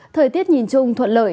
thời tiết nhìn chung thuận lợi